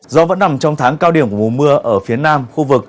do vẫn nằm trong tháng cao điểm của mùa mưa ở phía nam khu vực